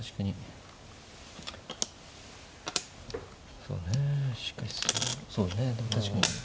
そうねしかしそうねでも確かに。